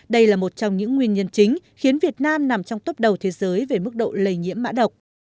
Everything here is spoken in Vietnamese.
đây là một trong những nguyên nhân chính khiến việt nam nằm trong tốp đầu thế giới về mức độ lây nhiễm mã độc